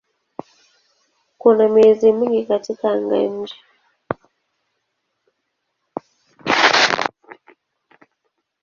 Kuna miezi mingi katika anga-nje.